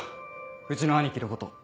うちの兄貴のこと。